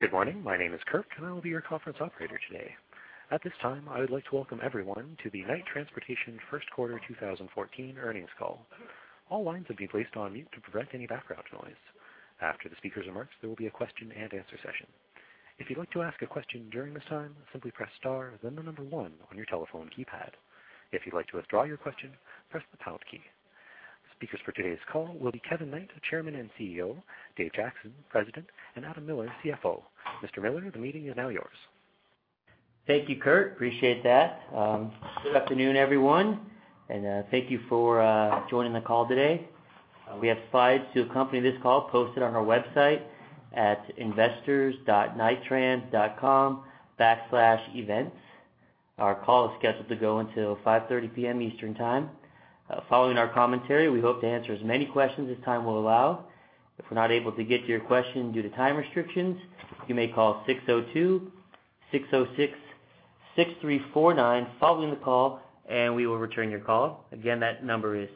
Good morning. My name is Kurt, and I will be your conference operator today. At this time, I would like to welcome everyone to the Knight Transportation first quarter 2014 earnings call. All lines have been placed on mute to prevent any background noise. After the speaker's remarks, there will be a question-and-answer session. If you'd like to ask a question during this time, simply press star, then the number one on your telephone keypad. If you'd like to withdraw your question, press the pound key. Speakers for today's call will be Kevin Knight, Chairman and CEO, Dave Jackson, President, and Adam Miller, CFO. Mr. Miller, the meeting is now yours. Thank you, Kurt. Appreciate that. Good afternoon, everyone, and, thank you for, joining the call today. We have slides to accompany this call posted on our website at investors.knighttrans.com/events. Our call is scheduled to go until 5:30 P.M. Eastern Time. Following our commentary, we hope to answer as many questions as time will allow. If we're not able to get to your question due to time restrictions, you may call 602-606-6349 following the call, and we will return your call. Again, that number is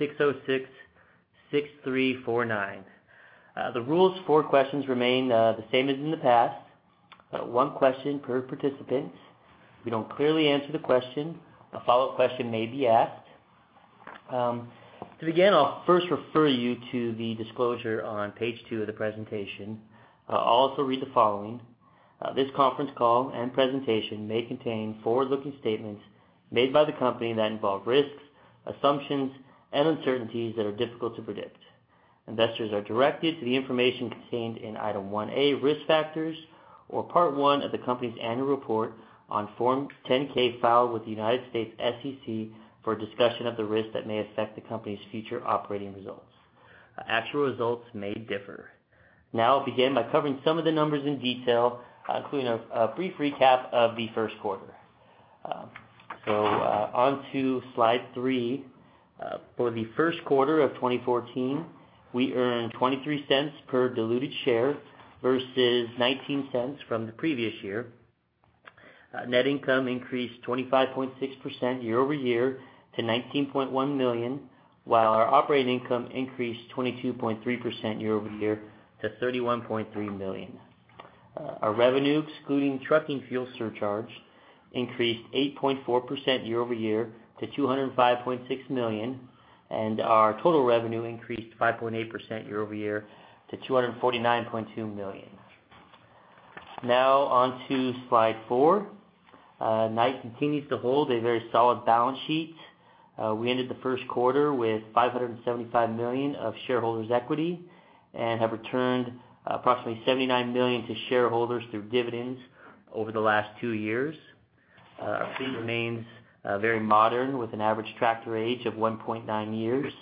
602-606-6349. The rules for questions remain, the same as in the past. One question per participant. If we don't clearly answer the question, a follow-up question may be asked. To begin, I'll first refer you to the disclosure on page two of the presentation. I'll also read the following. This conference call and presentation may contain forward-looking statements made by the company that involve risks, assumptions, and uncertainties that are difficult to predict. Investors are directed to the information contained in Item 1A, Risk Factors or Part One of the company's Annual Report on Form 10-K, filed with the United States SEC for a discussion of the risks that may affect the company's future operating results. Actual results may differ. Now, I'll begin by covering some of the numbers in detail, including a brief recap of the first quarter. So, on to slide three. For the first quarter of 2014, we earned $0.23 per diluted share versus $0.19 from the previous year. Net income increased 25.6% year-over-year to $19.1 million, while our operating income increased 22.3% year-over-year to $31.3 million. Our revenue, excluding trucking fuel surcharge, increased 8.4% year-over-year to $205.6 million, and our total revenue increased 5.8% year-over-year to $249.2 million. Now, on to slide four. Knight continues to hold a very solid balance sheet. We ended the first quarter with $575 million of shareholders' equity and have returned approximately $79 million to shareholders through dividends over the last two years. Our fleet remains very modern, with an average tractor age of 1.9 years.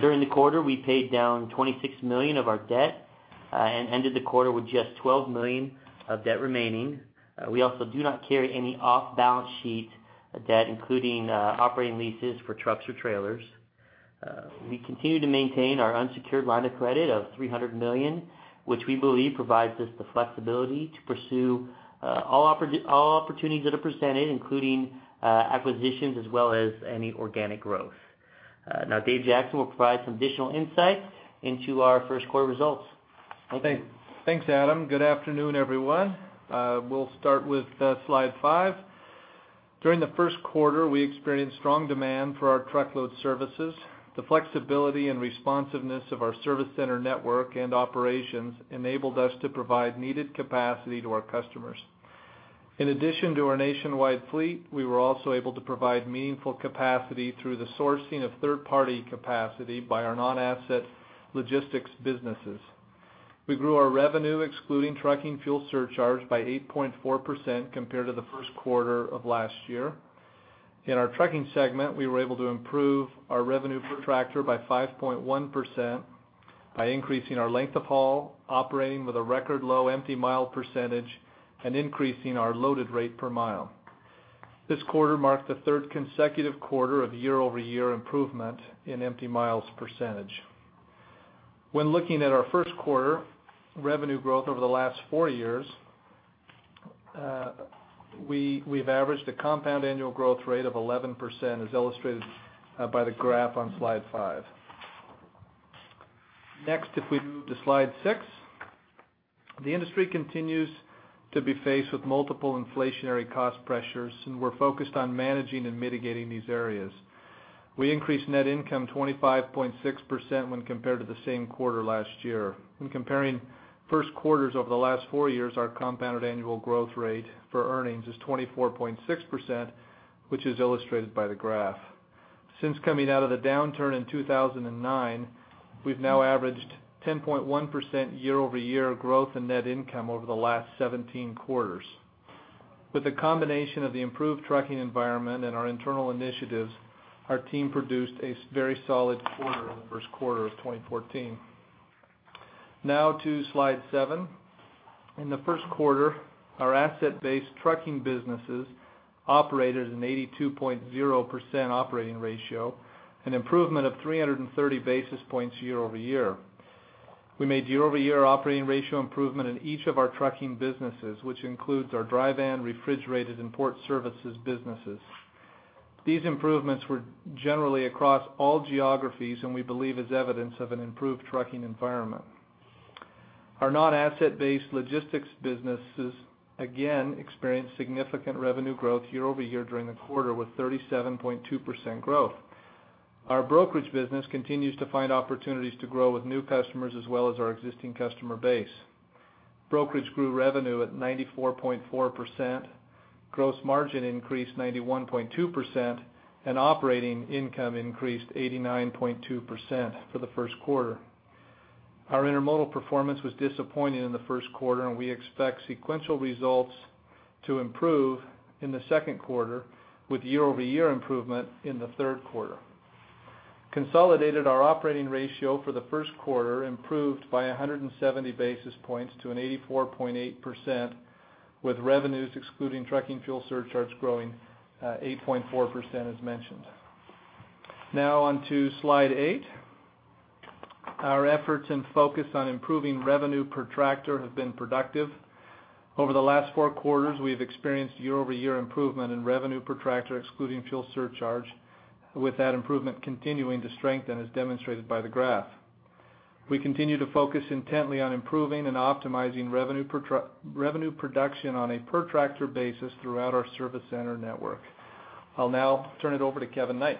During the quarter, we paid down $26 million of our debt and ended the quarter with just $12 million of debt remaining. We also do not carry any off-balance sheet debt, including operating leases for trucks or trailers. We continue to maintain our unsecured line of credit of $300 million, which we believe provides us the flexibility to pursue all opportunities that are presented, including acquisitions as well as any organic growth. Now Dave Jackson will provide some additional insight into our first quarter results. Thank you. Thanks, Adam. Good afternoon, everyone. We'll start with, slide five. During the first quarter, we experienced strong demand for our truckload services. The flexibility and responsiveness of our service center, network, and operations enabled us to provide needed capacity to our customers. In addition to our nationwide fleet, we were also able to provide meaningful capacity through the sourcing of third-party capacity by our non-asset logistics businesses. We grew our revenue, excluding trucking fuel surcharge, by 8.4% compared to the first quarter of last year. In our trucking segment, we were able to improve our revenue per tractor by 5.1% by increasing our length of haul, operating with a record low empty mile percentage, and increasing our loaded rate per mile. This quarter marked the third consecutive quarter of year-over-year improvement in empty miles percentage. When looking at our first quarter revenue growth over the last four years, we've averaged a compound annual growth rate of 11%, as illustrated by the graph on slide five. Next, if we move to slide six. The industry continues to be faced with multiple inflationary cost pressures, and we're focused on managing and mitigating these areas. We increased net income 25.6% when compared to the same quarter last year. When comparing first quarters over the last 4 years, our compounded annual growth rate for earnings is 24.6%, which is illustrated by the graph. Since coming out of the downturn in 2009, we've now averaged 10.1% year-over-year growth in net income over the last 17 quarters. With the combination of the improved trucking environment and our internal initiatives, our team produced a very solid quarter in the first quarter of 2014. Now to slide seven. In the first quarter, our asset-based trucking businesses operated an 82.0% operating ratio, an improvement of 330 basis points year-over-year. We made year-over-year operating ratio improvement in each of our trucking businesses, which includes our dry van, refrigerated, and port services businesses.... These improvements were generally across all geographies, and we believe is evidence of an improved trucking environment. Our non-asset-based logistics businesses, again, experienced significant revenue growth year-over-year during the quarter, with 37.2% growth. Our brokerage business continues to find opportunities to grow with new customers as well as our existing customer base. Brokerage grew revenue at 94.4%, gross margin increased 91.2%, and operating income increased 89.2% for the first quarter. Our intermodal performance was disappointing in the first quarter, and we expect sequential results to improve in the second quarter, with year-over-year improvement in the third quarter. Consolidated, our operating ratio for the first quarter improved by 170 basis points to 84.8%, with revenues excluding trucking fuel surcharges growing 8.4%, as mentioned. Now on to slide eight. Our efforts and focus on improving revenue per tractor have been productive. Over the last four quarters, we have experienced year-over-year improvement in revenue per tractor, excluding fuel surcharge, with that improvement continuing to strengthen, as demonstrated by the graph. We continue to focus intently on improving and optimizing revenue production on a per tractor basis throughout our service center network. I'll now turn it over to Kevin Knight.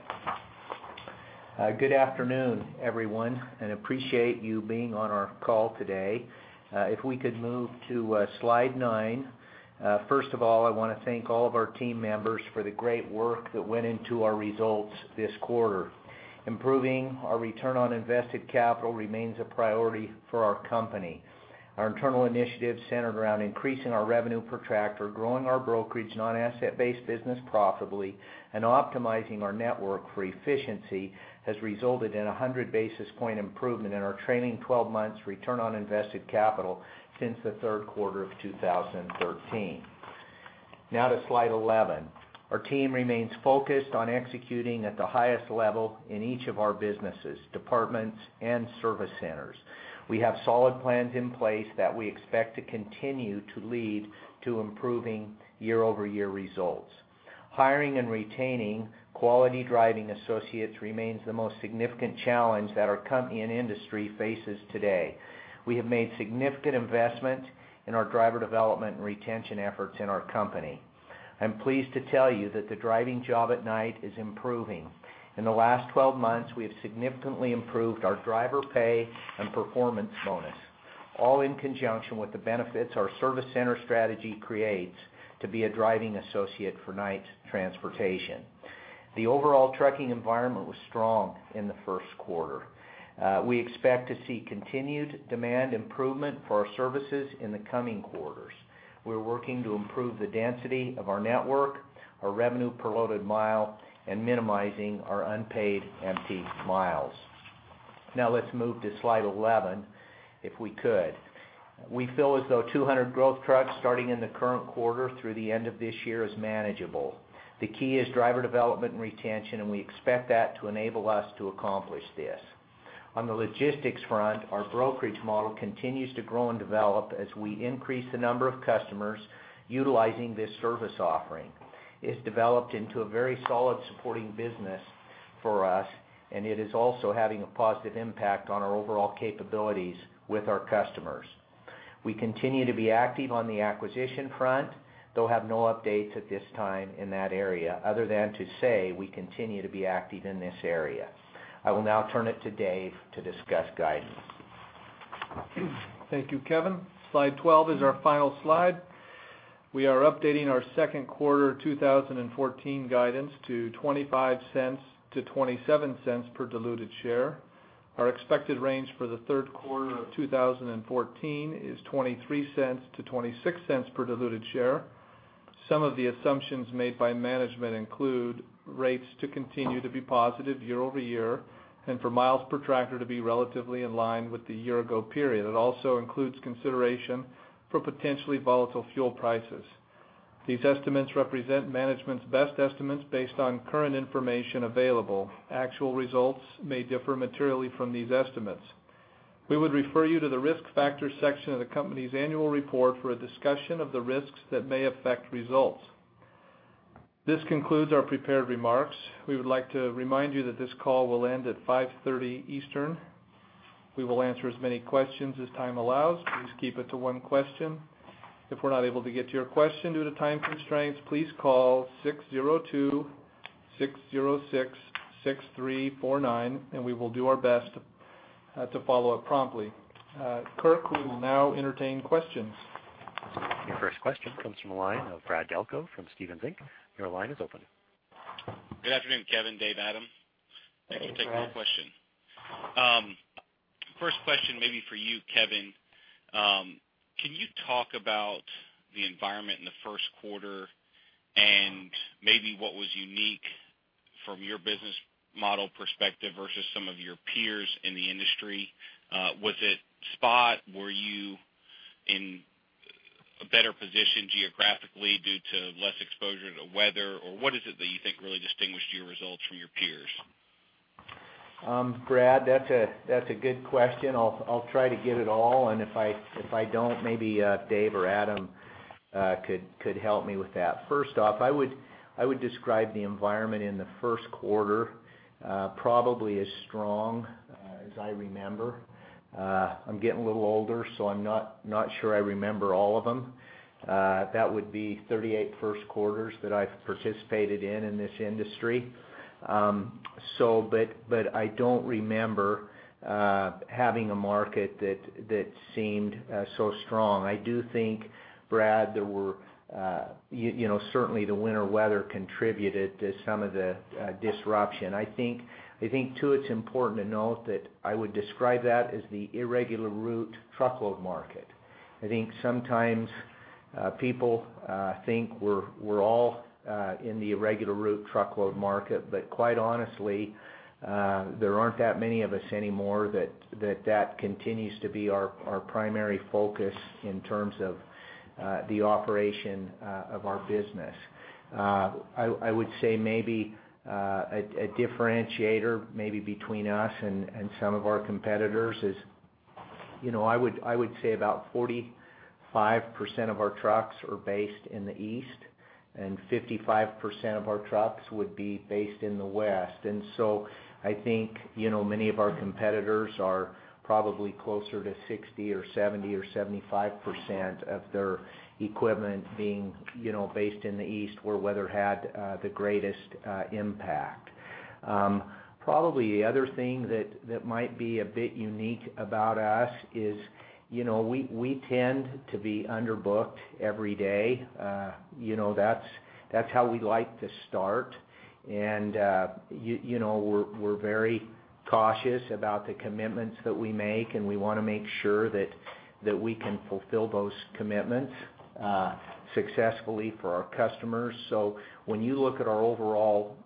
Good afternoon, everyone, and appreciate you being on our call today. If we could move to slide nine. First of all, I want to thank all of our team members for the great work that went into our results this quarter. Improving our return on invested capital remains a priority for our company. Our internal initiatives centered around increasing our revenue per tractor, growing our brokerage, non-asset-based business profitably, and optimizing our network for efficiency, has resulted in a 100 basis point improvement in our trailing twelve months return on invested capital since the third quarter of 2013. Now to slide 11. Our team remains focused on executing at the highest level in each of our businesses, departments, and service centers. We have solid plans in place that we expect to continue to lead to improving year-over-year results. Hiring and retaining quality driving associates remains the most significant challenge that our company and industry faces today. We have made significant investment in our driver development and retention efforts in our company. I'm pleased to tell you that the driving job at Knight is improving. In the last 12 months, we have significantly improved our driver pay and performance bonus, all in conjunction with the benefits our service center strategy creates to be a driving associate for Knight Transportation. The overall trucking environment was strong in the first quarter. We expect to see continued demand improvement for our services in the coming quarters. We're working to improve the density of our network, our revenue per loaded mile, and minimizing our unpaid empty miles. Now let's move to slide 11, if we could. We feel as though 200 growth trucks, starting in the current quarter through the end of this year, is manageable. The key is driver development and retention, and we expect that to enable us to accomplish this. On the logistics front, our brokerage model continues to grow and develop as we increase the number of customers utilizing this service offering. It's developed into a very solid supporting business for us, and it is also having a positive impact on our overall capabilities with our customers. We continue to be active on the acquisition front, though have no updates at this time in that area, other than to say, we continue to be active in this area. I will now turn it to Dave to discuss guidance. Thank you, Kevin. Slide 12 is our final slide. We are updating our second quarter 2014 guidance to $0.25-$0.27 per diluted share. Our expected range for the third quarter of 2014 is $0.23-$0.26 per diluted share. Some of the assumptions made by management include rates to continue to be positive year-over-year, and for miles per tractor to be relatively in line with the year ago period. It also includes consideration for potentially volatile fuel prices. These estimates represent management's best estimates based on current information available. Actual results may differ materially from these estimates. We would refer you to the Risk Factors section of the company's annual report for a discussion of the risks that may affect results. This concludes our prepared remarks. We would like to remind you that this call will end at 5:30 P.M. Eastern. We will answer as many questions as time allows. Please keep it to one question. If we're not able to get to your question due to time constraints, please call 602-606-6349, and we will do our best to follow up promptly. Kurt, we will now entertain questions. Your first question comes from the line of Brad Delco from Stephens Inc. Your line is open. Good afternoon, Kevin, Dave, Adam. Thank you for taking my question. First question may be for you, Kevin. Can you talk about the environment in the first quarter and maybe what was unique from your business model perspective versus some of your peers in the industry? Was it spot? Were you in a better position geographically due to less exposure to weather, or what is it that you think really distinguished your results from your peers? Brad, that's a good question. I'll try to get it all, and if I don't, maybe Dave or Adam could help me with that. First off, I would describe the environment in the first quarter probably as strong as I remember. I'm getting a little older, so I'm not sure I remember all of them. That would be 38 first quarters that I've participated in this industry. So, but I don't remember having a market that seemed so strong. I do think, Brad, there were, you know, certainly the winter weather contributed to some of the disruption. I think, too, it's important to note that I would describe that as the irregular route truckload market. I think sometimes people think we're all in the irregular route truckload market, but quite honestly, there aren't that many of us anymore that continues to be our primary focus in terms of the operation of our business. I would say maybe a differentiator maybe between us and some of our competitors is, you know, I would say about 45% of our trucks are based in the East, and 55% of our trucks would be based in the West. And so I think, you know, many of our competitors are probably closer to 60% or 70% or 75% of their equipment being, you know, based in the East, where weather had the greatest impact. Probably the other thing that, that might be a bit unique about us is, you know, we, we tend to be underbooked every day. You know, that's, that's how we like to start. And, you know, we're, we're very cautious about the commitments that we make, and we want to make sure that, that we can fulfill those commitments, successfully for our customers. So when you look at our overall,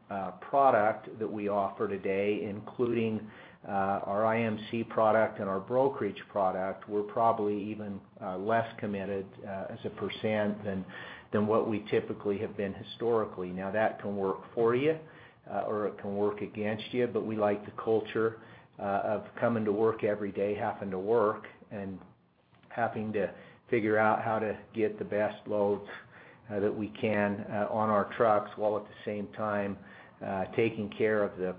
product that we offer today, including, our IMC product and our brokerage product, we're probably even, less committed, as a percent than, than what we typically have been historically. Now, that can work for you, or it can work against you, but we like the culture of coming to work every day, having to work, and having to figure out how to get the best loads that we can on our trucks, while at the same time taking care of the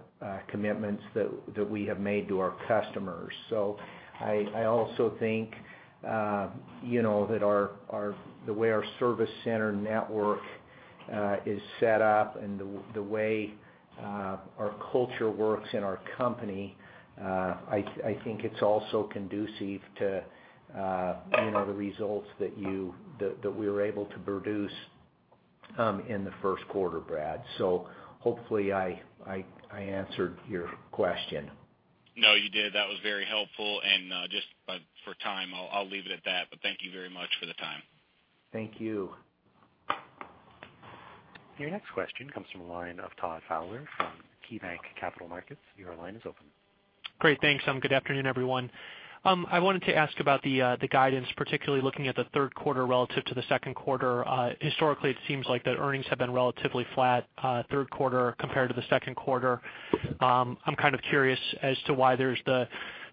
commitments that we have made to our customers. So I also think, you know, that the way our service center network is set up and the way our culture works in our company, I think it's also conducive to, you know, the results that we were able to produce in the first quarter, Brad. So hopefully, I answered your question. No, you did. That was very helpful. And, just, for time, I'll, I'll leave it at that. But thank you very much for the time. Thank you. Your next question comes from the line of Todd Fowler from KeyBanc Capital Markets. Your line is open. Great. Thanks. Good afternoon, everyone. I wanted to ask about the guidance, particularly looking at the third quarter relative to the second quarter. Historically, it seems like the earnings have been relatively flat, third quarter compared to the second quarter. I'm kind of curious as to why there's the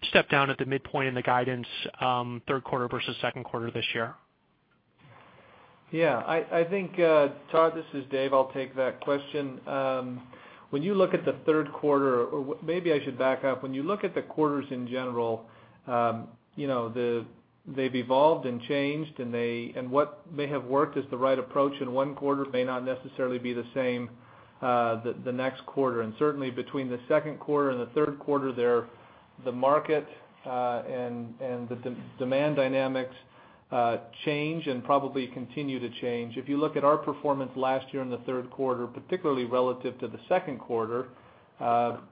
step down at the midpoint in the guidance, third quarter versus second quarter this year. Yeah. I, I think, Todd, this is Dave, I'll take that question. When you look at the third quarter, or maybe I should back up, when you look at the quarters in general, you know, they've evolved and changed, and they, and what may have worked as the right approach in one quarter, may not necessarily be the same, the next quarter. And certainly, between the second quarter and the third quarter there, the market, and the demand dynamics, change and probably continue to change. If you look at our performance last year in the third quarter, particularly relative to the second quarter,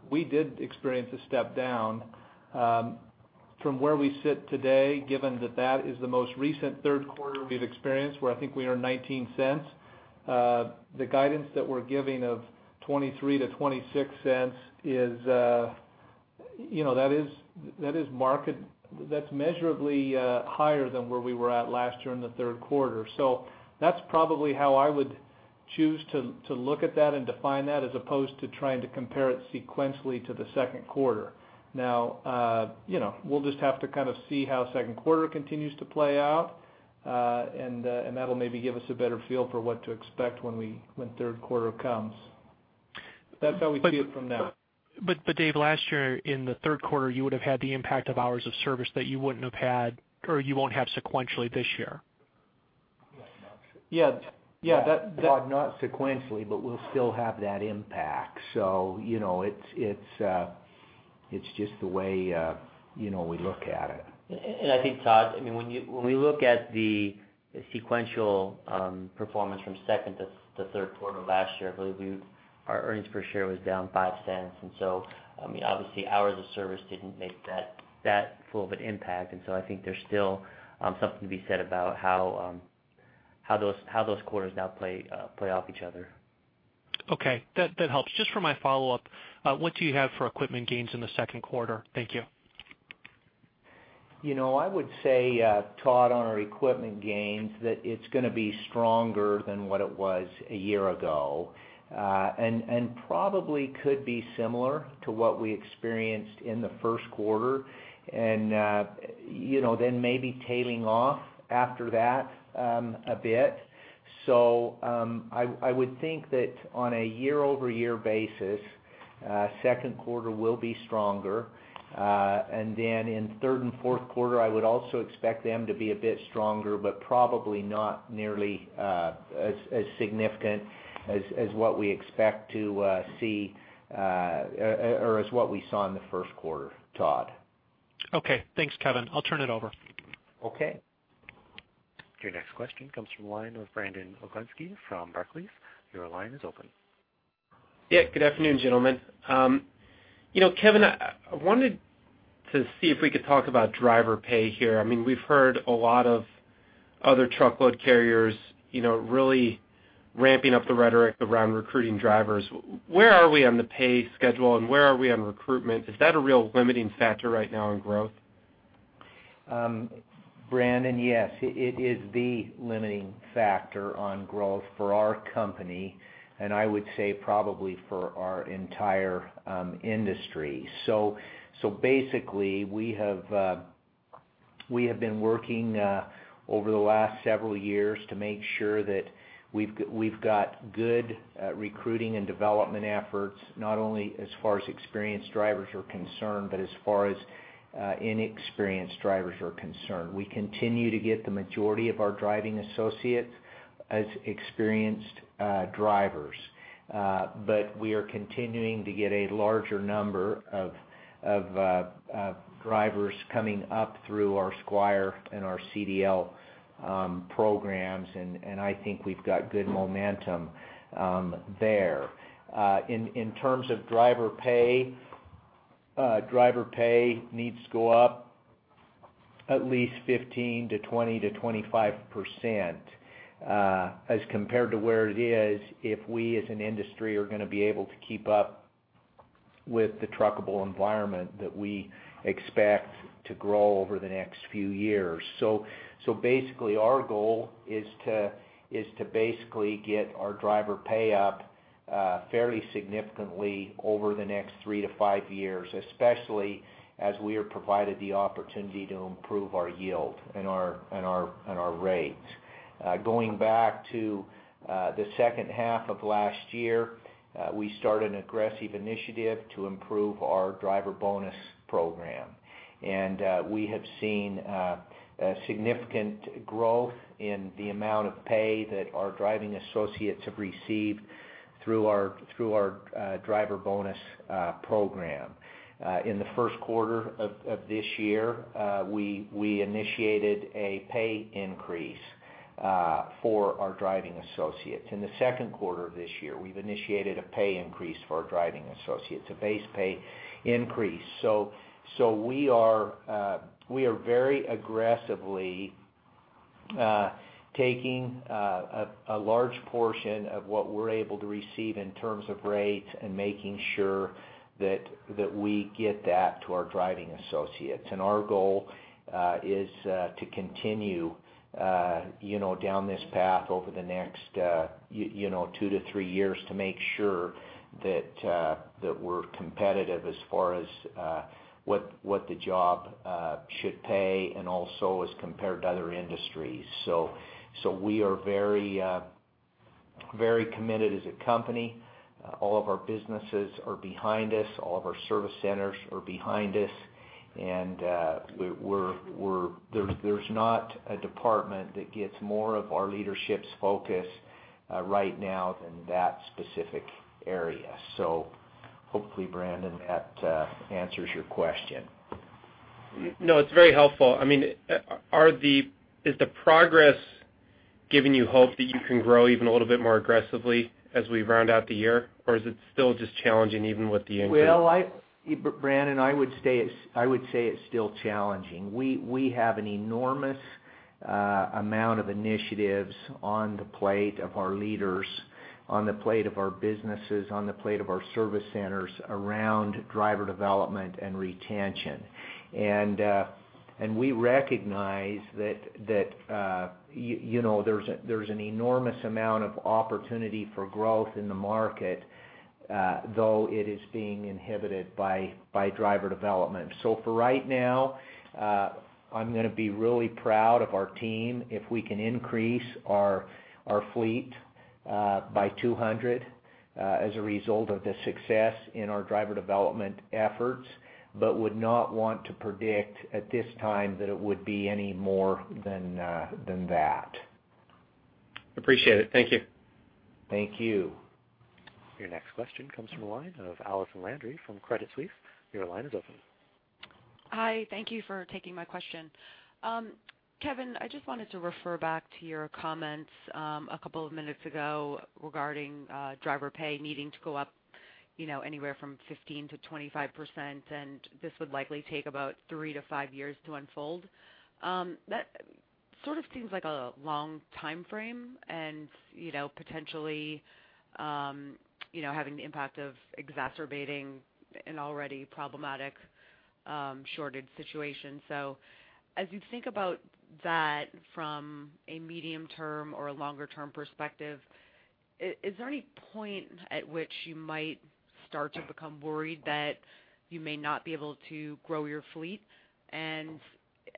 we did experience a step down. From where we sit today, given that that is the most recent third quarter we've experienced, where I think we earned $0.19, the guidance that we're giving of $0.23-$0.26 is, you know, that is, that is market... That's measurably higher than where we were at last year in the third quarter. So that's probably how I would choose to look at that and define that, as opposed to trying to compare it sequentially to the second quarter. Now, you know, we'll just have to kind of see how second quarter continues to play out. And that'll maybe give us a better feel for what to expect when third quarter comes. That's how we see it from now. But, Dave, last year, in the third quarter, you would have had the impact of Hours of Service that you wouldn't have had or you won't have sequentially this year. Yeah, not- Yeah. Yeah, that, that- Well, not sequentially, but we'll still have that impact. So you know, it's just the way, you know, we look at it. And I think, Todd, I mean, when we look at the sequential performance from second to the third quarter last year, I believe we've our earnings per share was down $0.05. And so, I mean, obviously, hours of service didn't make that full of an impact. And so I think there's still something to be said about how those quarters now play off each other. Okay. That helps. Just for my follow-up, what do you have for equipment gains in the second quarter? Thank you. You know, I would say, Todd, on our equipment gains, that it's gonna be stronger than what it was a year ago, and probably could be similar to what we experienced in the first quarter, and you know, then maybe tailing off after that, a bit. So, I would think that on a year-over-year basis, second quarter will be stronger. And then in third and fourth quarter, I would also expect them to be a bit stronger, but probably not nearly as significant as what we expect to see, or as what we saw in the first quarter, Todd. Okay. Thanks, Kevin. I'll turn it over. Okay. Your next question comes from the line of Brandon Oglenski from Barclays. Your line is open. Yeah, good afternoon, gentlemen. You know, Kevin, I wanted to see if we could talk about driver pay here. I mean, we've heard a lot of other truckload carriers, you know, really ramping up the rhetoric around recruiting drivers. Where are we on the pay schedule, and where are we on recruitment? Is that a real limiting factor right now in growth? Brandon, yes, it is the limiting factor on growth for our company, and I would say probably for our entire industry. So basically, we have been working over the last several years to make sure that we've got good recruiting and development efforts, not only as far as experienced drivers are concerned, but as far as inexperienced drivers are concerned. We continue to get the majority of our driving associates as experienced drivers. But we are continuing to get a larger number of drivers coming up through our Squire and our CDL programs, and I think we've got good momentum there. In terms of driver pay, driver pay needs to go up at least 15% to 20% to 25%, as compared to where it is, if we, as an industry, are gonna be able to keep up with the trackable environment that we expect to grow over the next few years. So basically, our goal is to basically get our driver pay up fairly significantly over the next three to five years, especially as we are provided the opportunity to improve our yield and our rates. Going back to the second half of last year, we started an aggressive initiative to improve our driver bonus program, and we have seen a significant growth in the amount of pay that our driving associates have received through our driver bonus program. In the first quarter of this year, we initiated a pay increase for our driving associates. In the second quarter of this year, we've initiated a pay increase for our driving associates, a base pay increase. We are very aggressively taking a large portion of what we're able to receive in terms of rates and making sure that we get that to our driving associates. Our goal is to continue, you know, down this path over the next two to three years to make sure that we're competitive as far as what the job should pay and also as compared to other industries. We are very committed as a company. All of our businesses are behind us, all of our service centers are behind us, and we're, there's not a department that gets more of our leadership's focus right now than that specific area. So hopefully, Brandon, that answers your question. No, it's very helpful. I mean, is the progress giving you hope that you can grow even a little bit more aggressively as we round out the year? Or is it still just challenging, even with the increase? Well, Brandon, I would say it's still challenging. We have an enormous amount of initiatives on the plate of our leaders, on the plate of our businesses, on the plate of our service centers around driver development and retention. And we recognize that, you know, there's an enormous amount of opportunity for growth in the market, though it is being inhibited by driver development. So for right now, I'm gonna be really proud of our team if we can increase our fleet by 200 as a result of the success in our driver development efforts, but would not want to predict at this time that it would be any more than that. Appreciate it. Thank you. Thank you. Your next question comes from the line of Allison Landry from Credit Suisse. Your line is open. Hi, thank you for taking my question. Kevin, I just wanted to refer back to your comments a couple of minutes ago regarding driver pay needing to go up, you know, anywhere from 15%-25%, and this would likely take about three to five years to unfold. That sort of seems like a long timeframe and, you know, potentially having the impact of exacerbating an already problematic shortage situation. So as you think about that from a medium-term or a longer-term perspective, is there any point at which you might start to become worried that you may not be able to grow your fleet? And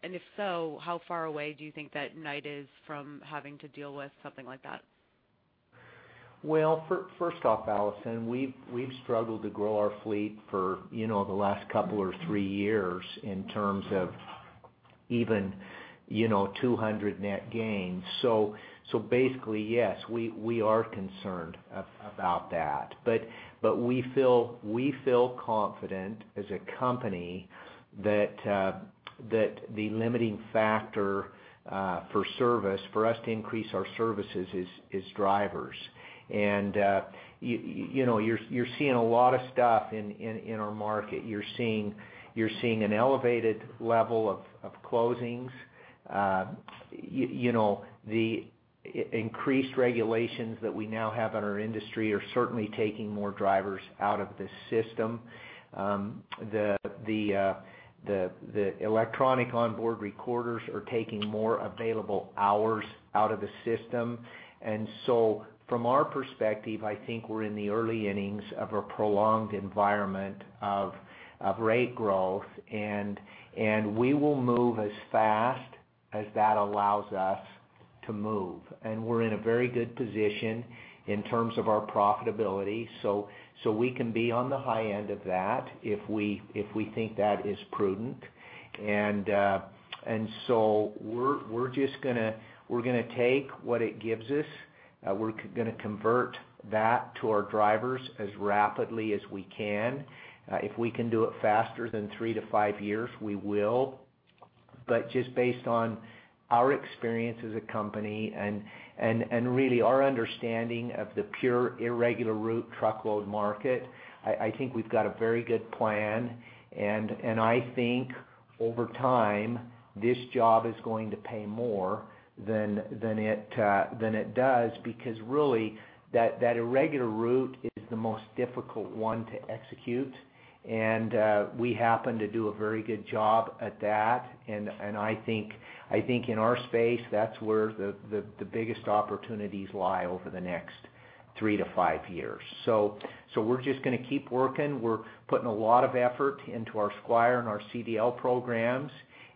if so, how far away do you think that Knight is from having to deal with something like that? Well, first off, Allison, we've struggled to grow our fleet for, you know, the last couple or three years in terms of even, you know, 200 net gains. So, basically, yes, we are concerned about that. But, we feel confident as a company that the limiting factor for service, for us to increase our services is drivers. And, you know, you're seeing a lot of stuff in our market. You're seeing an elevated level of closings. You know, the increased regulations that we now have on our industry are certainly taking more drivers out of the system. The electronic on-board recorders are taking more available hours out of the system. And so from our perspective, I think we're in the early innings of a prolonged environment of rate growth, and we will move as fast as that allows us to move. And we're in a very good position in terms of our profitability, so we can be on the high end of that if we think that is prudent. And so we're just gonna take what it gives us. We're gonna convert that to our drivers as rapidly as we can. If we can do it faster than three to five years, we will. But just based on our experience as a company and really our understanding of the pure irregular route truckload market, I think we've got a very good plan. I think over time, this job is going to pay more than it does, because really, that irregular route is the most difficult one to execute, and we happen to do a very good job at that. I think in our space, that's where the biggest opportunities lie over the next three to five years. So we're just gonna keep working. We're putting a lot of effort into our Squire and our CDL programs,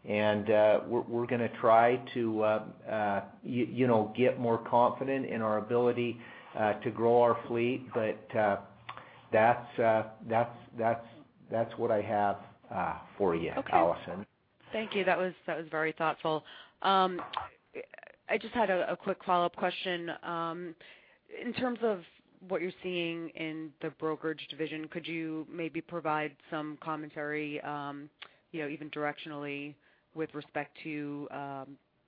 and we're gonna try to, you know, get more confident in our ability to grow our fleet. But that's what I have for you, Allison. Okay. Thank you. That was very thoughtful. I just had a quick follow-up question. In terms of what you're seeing in the brokerage division, could you maybe provide some commentary, you know, even directionally, with respect to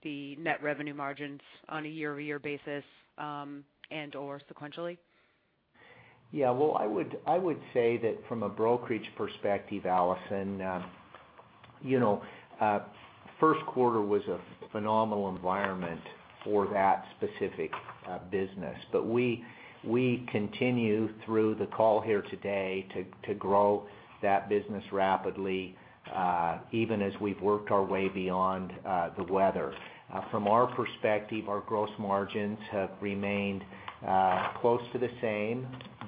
the net revenue margins on a year-over-year basis, and/or sequentially? Yeah. Well, I would say that from a brokerage perspective, Allison, you know, first quarter was a phenomenal environment for that specific business. But we continue through the call here today to grow that business rapidly, even as we've worked our way beyond the weather. From our perspective, our gross margins have remained close to the same,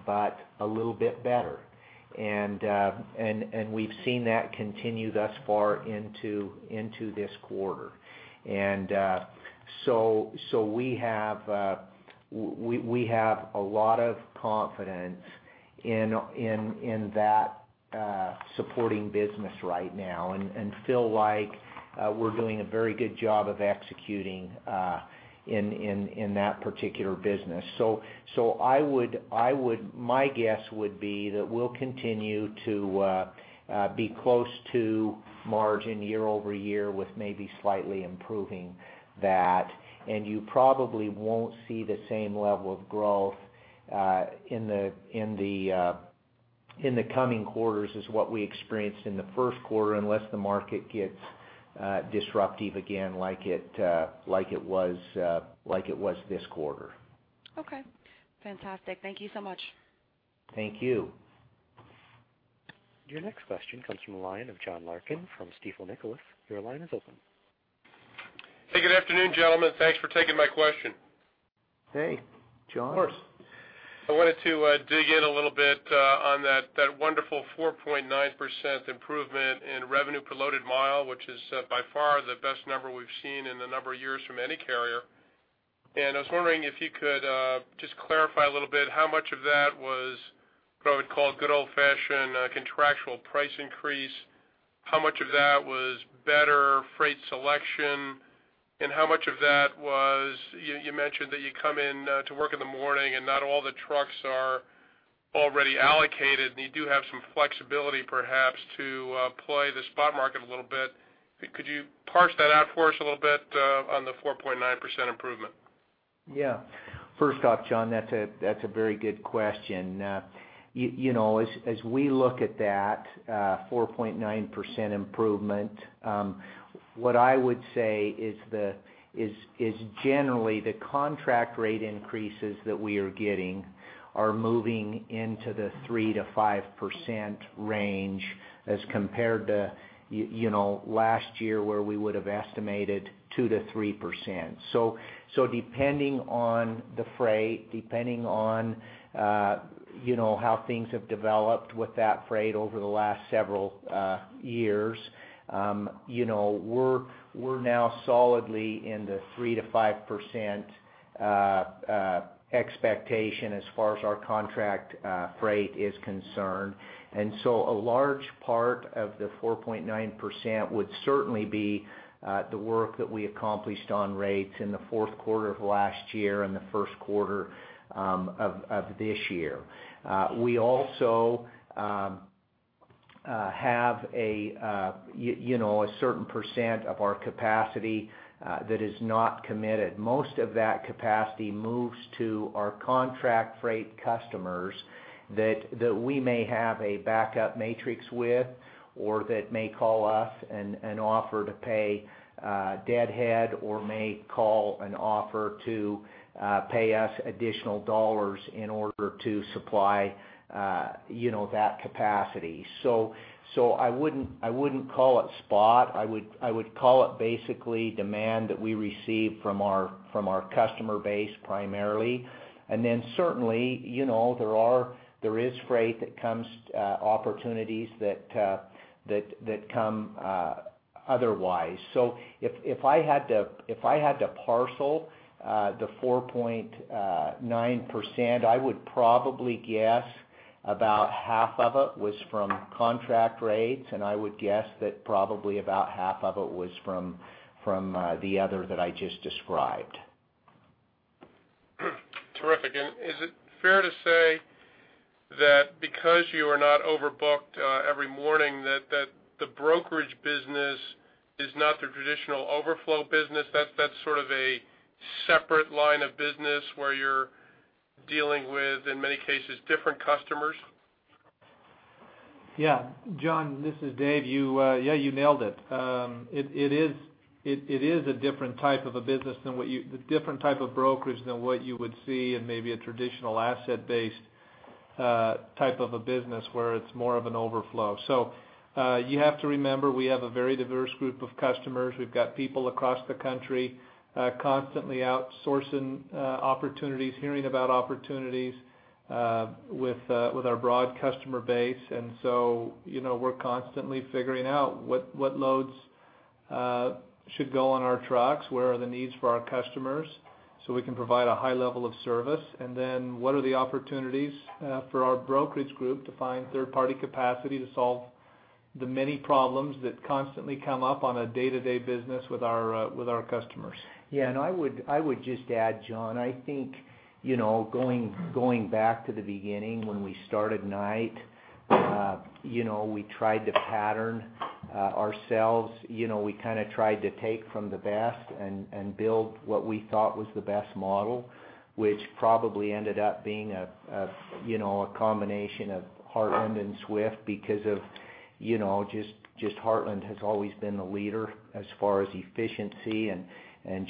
but a little bit better. And we've seen that continue thus far into this quarter. And so we have a lot of confidence in that supporting business right now and feel like we're doing a very good job of executing in that particular business. So, I would—my guess would be that we'll continue to be close to margin year over year, with maybe slightly improving that. And you probably won't see the same level of growth in the coming quarters as what we experienced in the first quarter, unless the market gets disruptive again, like it was this quarter. Okay. Fantastic. Thank you so much. Thank you. Your next question comes from the line of John Larkin from Stifel Nicolaus. Your line is open. Hey, good afternoon, gentlemen. Thanks for taking my question. Hey, John. Of course. I wanted to dig in a little bit on that, that wonderful 4.9% improvement in revenue per loaded mile, which is by far the best number we've seen in a number of years from any carrier. And I was wondering if you could just clarify a little bit how much of that was what I would call good old-fashioned contractual price increase, how much of that was better freight selection, and how much of that was... You mentioned that you come in to work in the morning, and not all the trucks are already allocated, and you do have some flexibility, perhaps, to play the spot market a little bit. Could you parse that out for us a little bit on the 4.9% improvement? Yeah. First off, John, that's a very good question. You know, as we look at that, four point nine percent improvement, what I would say is generally the contract rate increases that we are getting are moving into the three to five percent range as compared to, you know, last year, where we would have estimated two to three percent. So depending on the freight, depending on, you know, how things have developed with that freight over the last several years, you know, we're now solidly in the three to five percent expectation as far as our contract freight is concerned. And so a large part of the 4.9% would certainly be the work that we accomplished on rates in the fourth quarter of last year and the first quarter of this year. We also have, you know, a certain percent of our capacity that is not committed. Most of that capacity moves to our contract freight customers that we may have a backup matrix with, or that may call us and offer to pay deadhead, or may call and offer to pay us additional dollars in order to supply, you know, that capacity. So I wouldn't call it spot. I would call it basically demand that we receive from our customer base primarily. And then certainly, you know, there is freight that comes, opportunities that come otherwise. So if I had to parcel the 4.9%, I would probably guess about half of it was from contract rates, and I would guess that probably about half of it was from the other that I just described. Terrific. And is it fair to say that because you are not overbooked every morning, that the brokerage business is not the traditional overflow business? That's sort of a separate line of business where you're dealing with, in many cases, different customers? Yeah, John, this is Dave. You, yeah, you nailed it. It is a different type of a business than what you... A different type of brokerage than what you would see in maybe a traditional asset-based type of a business where it's more of an overflow. So, you have to remember, we have a very diverse group of customers. We've got people across the country, constantly outsourcing opportunities, hearing about opportunities with our broad customer base. And so, you know, we're constantly figuring out what loads should go on our trucks, where are the needs for our customers, so we can provide a high level of service. What are the opportunities for our brokerage group to find third-party capacity to solve the many problems that constantly come up on a day-to-day business with our customers? Yeah, and I would just add, John, I think, you know, going back to the beginning when we started Knight, you know, we tried to pattern ourselves. You know, we kind of tried to take from the best and build what we thought was the best model, which probably ended up being a combination of Heartland and Swift because, you know, just Heartland has always been the leader as far as efficiency, and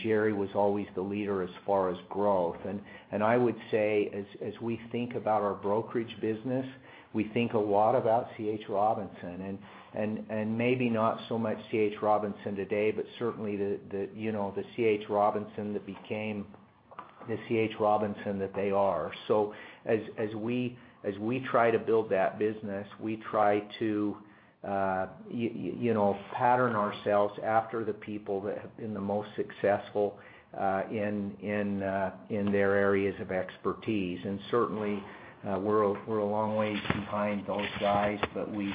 Jerry was always the leader as far as growth. I would say as we think about our brokerage business, we think a lot about C.H. Robinson, and maybe not so much C.H. Robinson today, but certainly the C.H. Robinson that became the C.H. Robinson that they are. So as we try to build that business, we try to, you know, pattern ourselves after the people that have been the most successful in their areas of expertise. And certainly, we're a long way behind those guys, but we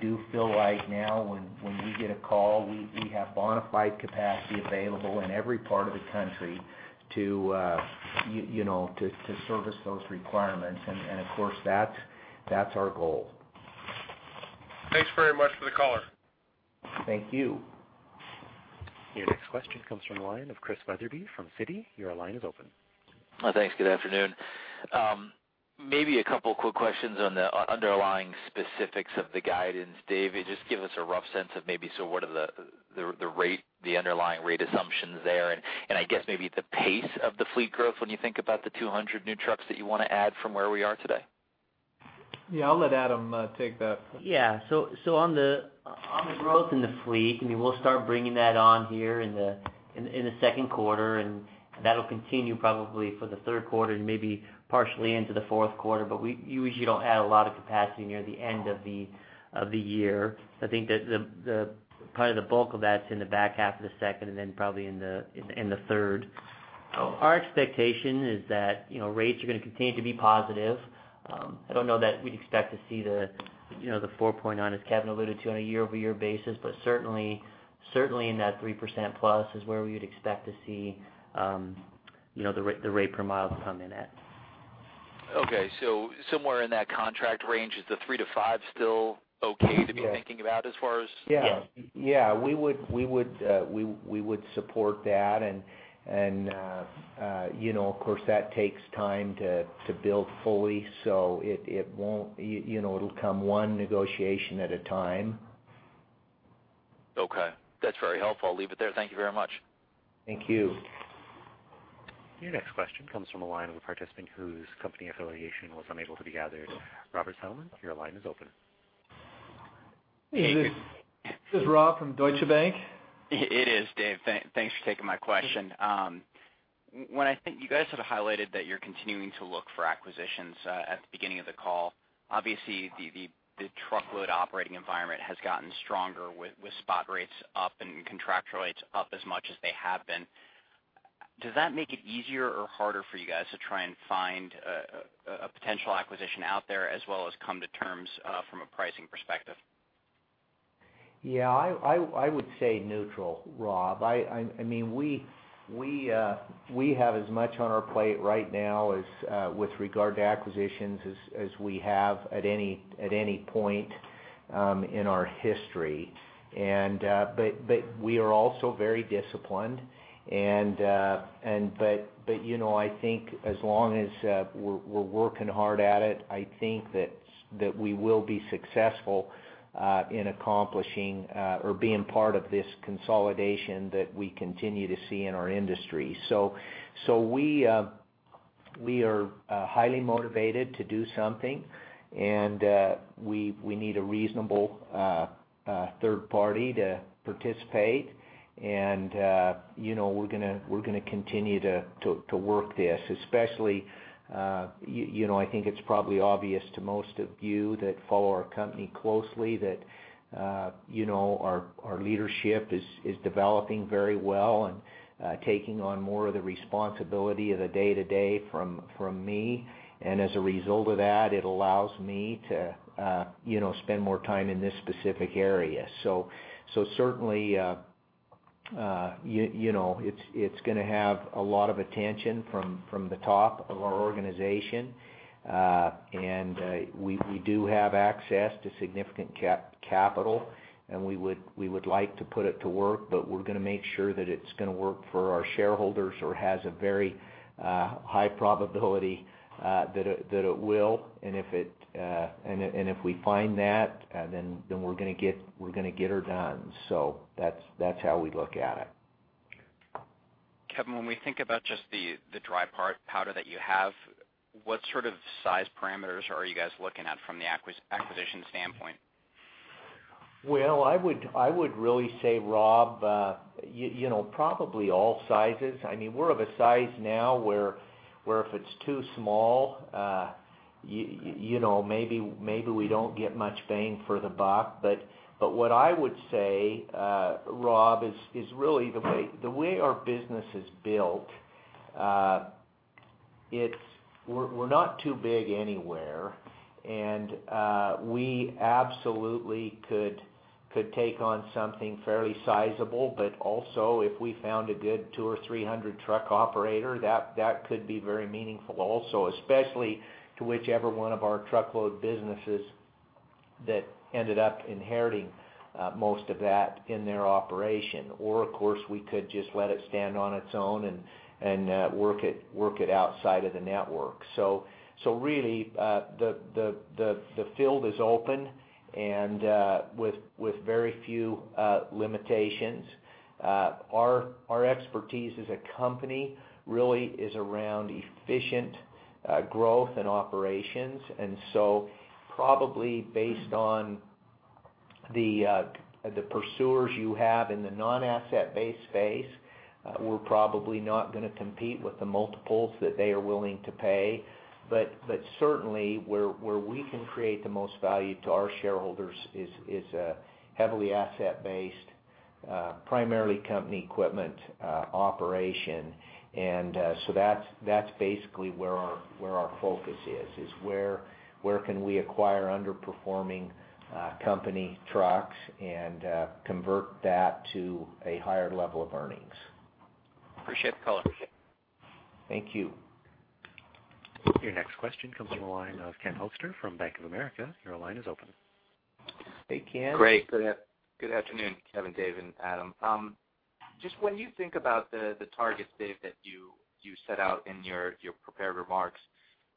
do feel like now, when we get a call, we have bona fide capacity available in every part of the country to, you know, to service those requirements. And of course, that's our goal. Thanks very much for the color. Thank you. Your next question comes from the line of Chris Wetherbee from Citi. Your line is open. Thanks. Good afternoon. Maybe a couple quick questions on the underlying specifics of the guidance. Dave, just give us a rough sense of maybe so what are the rate, the underlying rate assumptions there, and I guess maybe the pace of the fleet growth when you think about the 200 new trucks that you want to add from where we are today? Yeah, I'll let Adam take that. Yeah. So, on the growth in the fleet, I mean, we'll start bringing that on here in the second quarter, and that'll continue probably for the third quarter and maybe partially into the fourth quarter, but we usually don't add a lot of capacity near the end of the year. I think that the bulk of that's in the back half of the second and then probably in the third. Our expectation is that, you know, rates are going to continue to be positive. I don't know that we'd expect to see the 4.9%, as Kevin alluded to, on a year-over-year basis, but certainly, certainly in that 3%+ is where we would expect to see the rate per mile to come in at. Okay, so somewhere in that contract range, is the three to five still okay- Yeah. to be thinking about as far as? Yeah. Yeah, we would, we would, we, we would support that. And, and, you know, of course, that takes time to, to build fully, so it, it won't, you know, it'll come one negotiation at a time. Okay. That's very helpful. I'll leave it there. Thank you very much. Thank you. Your next question comes from a line of a participant whose company affiliation was unable to be gathered. Rob Salmon, your line is open. Hey, this is Rob from Deutsche Bank. It is, Dave. Thanks for taking my question. When I think you guys sort of highlighted that you're continuing to look for acquisitions at the beginning of the call. Obviously, the truckload operating environment has gotten stronger with spot rates up and contract rates up as much as they have been. Does that make it easier or harder for you guys to try and find a potential acquisition out there, as well as come to terms from a pricing perspective? Yeah, I would say neutral, Rob. I mean, we have as much on our plate right now as with regard to acquisitions as we have at any point in our history. And but you know, I think as long as we're working hard at it, I think that we will be successful in accomplishing or being part of this consolidation that we continue to see in our industry. So we are highly motivated to do something, and we need a reasonable third party to participate. You know, we're gonna continue to work this, especially, you know, I think it's probably obvious to most of you that follow our company closely, that you know, our leadership is developing very well and taking on more of the responsibility of the day-to-day from me. As a result of that, it allows me to you know, spend more time in this specific area. So certainly, you know, it's gonna have a lot of attention from the top of our organization. And we do have access to significant capital, and we would like to put it to work, but we're gonna make sure that it's gonna work for our shareholders or has a very high probability that it will. And if we find that, then we're gonna get her done. So that's how we look at it. Kevin, when we think about just the dry part, powder that you have, what sort of size parameters are you guys looking at from the acquisition standpoint? Well, I would, I would really say, Rob, you know, probably all sizes. I mean, we're of a size now where, where if it's too small, you know, maybe, maybe we don't get much bang for the buck. But, but what I would say, Rob, is, is really the way, the way our business is built, it's, we're, we're not too big anywhere, and, we absolutely could, could take on something fairly sizable. But also, if we found a good 200, 300 truck operator, that, that could be very meaningful also, especially to whichever one of our truckload businesses that ended up inheriting, most of that in their operation. Or of course, we could just let it stand on its own and, and, work it, work it outside of the network. So really, the field is open and with very few limitations. Our expertise as a company really is around efficient growth and operations. And so probably based on the pursuers you have in the non-asset-based space, we're probably not gonna compete with the multiples that they are willing to pay. But certainly, where we can create the most value to our shareholders is heavily asset-based, primarily company equipment operation. And so that's basically where our focus is, where we can acquire underperforming company trucks and convert that to a higher level of earnings? Appreciate the color. Thank you. Your next question comes on the line of Ken Hoexter from Bank of America. Your line is open. Hey, Ken. Great. Good afternoon, Kevin, Dave, and Adam. Just when you think about the targets, Dave, that you set out in your prepared remarks,